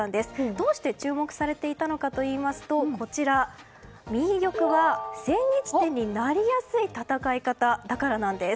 どうして注目されていたのかといいますと右玉は、千日手になりやすい戦い方だからなんです。